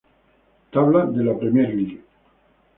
Tabla de la Premier League